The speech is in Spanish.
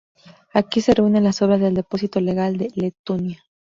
Aquí se reúnen las obras del depósito legal de Letonia.